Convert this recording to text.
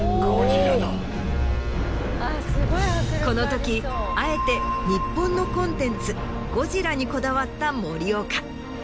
このときあえて日本のコンテンツ『ゴジラ』にこだわった森岡。